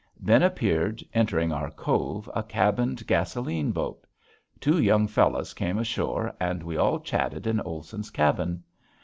Then appeared entering our cove a cabined gasoline boat. Two young fellows came ashore and we all chatted in Olson's cabin.